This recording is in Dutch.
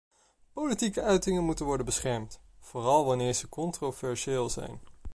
Politieke uitingen moeten worden beschermd, vooral wanneer ze controversieel zijn.